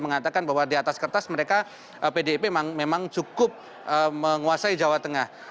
mengatakan bahwa di atas kertas mereka pdip memang cukup menguasai jawa tengah